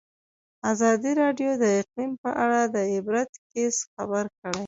ازادي راډیو د اقلیم په اړه د عبرت کیسې خبر کړي.